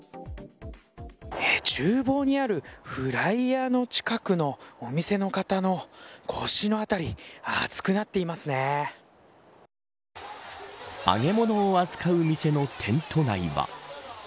厨房にあるフライヤーの近くのお店の方の腰の辺り揚げ物を扱う店のテント内は。